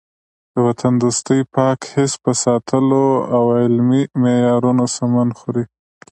د وطن دوستۍ پاک حس په ساتلو او علمي معیارونو سمون خوري.